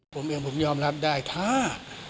ผมเองผมยอมรับได้ถ้า